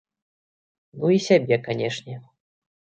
Ну і сябе, канешне.